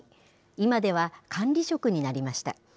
今では管理職になりました。